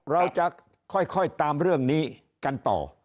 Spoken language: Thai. เราจะค่อยตามเรื่องนี้กันต่อ